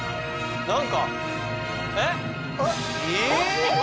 何かえっ？え！